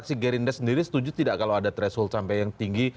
tapi gerindra sendiri setuju tidak kalau ada threshold sampai yang tinggi